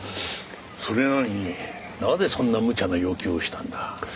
それなのになぜそんなむちゃな要求をしたんだ？